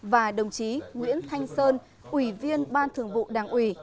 và đồng chí nguyễn thanh sơn ủy viên ban thường vụ đảng ủy